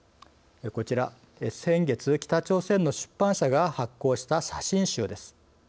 こちら、先月北朝鮮の出版社が発行した写真集です。